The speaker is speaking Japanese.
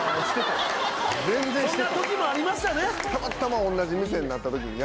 たまたま同じ店になった時に。